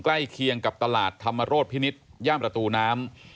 ใกล้เคียงกับตลาดธรรมโรธพินิษฐ์ย่ามประตูน้ำ